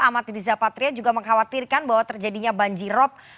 amatiriza patria juga mengkhawatirkan bahwa terjadinya banjirop